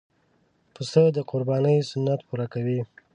پسه د قربانۍ سنت پوره کوي.